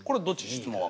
質問は。